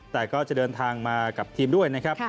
แต่ก็จะเดินทางมากับทีมด้วยนะครับ